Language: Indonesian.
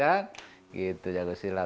yang penting lagi denja kak